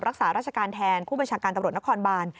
รักษาราชการแทนผู้บัญชาการตำรวจนครบาน